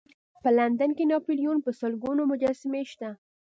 په لندن کې د ناپلیون په سلګونو مجسمې شته.